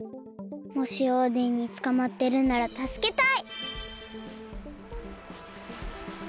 もしオーデンにつかまってるならたすけたい。